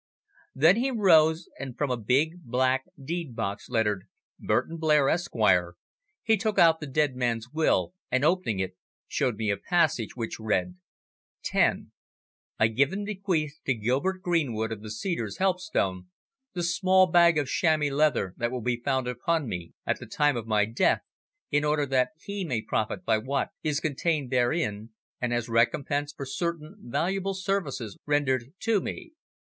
Then he rose, and from a big black deed box lettered "Burton Blair, Esquire," he took out the dead man's will, and, opening it, showed me a passage which read: Ten: "I give and bequeath to Gilbert Greenwood of The Cedars, Helpstone, the small bag of chamois leather that will be found upon me at the time of my death, in order that he may profit by what is contained therein, and as recompense for certain valuable services rendered to me.